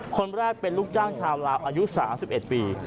คนแรกเป็นลูกจ้างชาวลาวอายุ๓๑ปี